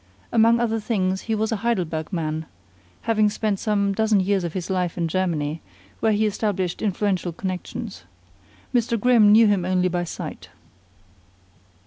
Among other things he was a Heidelberg man, having spent some dozen years of his life in Germany, where he established influential connections. Mr. Grimm knew him only by sight.